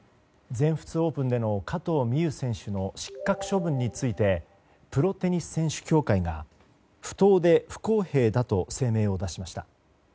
全仏オープンでの加藤未唯選手の失格処分についてプロテニス選手協会が不当で不公平だと声明を出しました。